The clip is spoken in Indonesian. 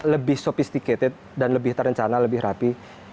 lebih sophisticated dan lebih terencana lebih rapi